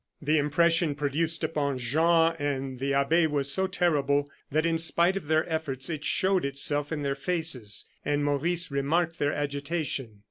The impression produced upon Jean and the abbe was so terrible, that, in spite of their efforts, it showed itself in their faces; and Maurice remarked their agitation.